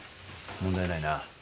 問題ないな。